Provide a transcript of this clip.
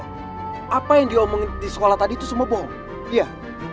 sampai jumpa di video selanjutnya